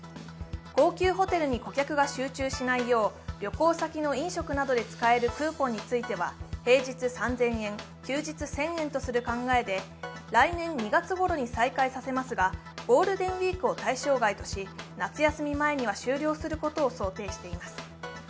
高級ホテルに顧客が集中しないよう旅行先の飲食などで使えるクーポンについては平日３０００円、休日１０００円とする考えで来年２月ごろに再開させますがゴールデンウイークを対象外とし夏休み前には終了することを想定しています。